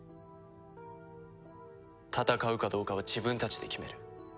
戦うかどうかは自分たちで決める。